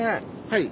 はい。